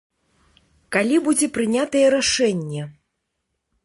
Калі будзе прынятае рашэнне?